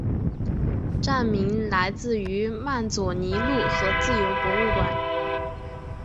站名来自于曼佐尼路和自由博物馆。